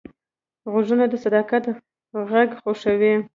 غوږونه د صداقت غږ خوښوي